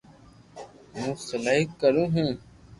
ھون سلائي ڪرو ھون